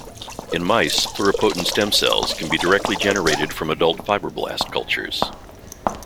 In mice, pluripotent stem cells can be directly generated from adult fibroblast cultures.